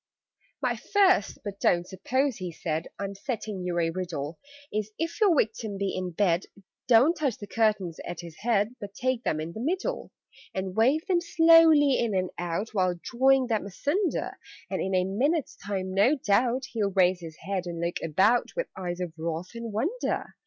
"My First but don't suppose," he said, "I'm setting you a riddle Is if your Victim be in bed, Don't touch the curtains at his head, But take them in the middle, "And wave them slowly in and out, While drawing them asunder; And in a minute's time, no doubt, He'll raise his head and look about With eyes of wrath and wonder.